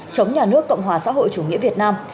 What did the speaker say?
chống nhà nước cộng hòa xã hội chủ nghĩa việt nam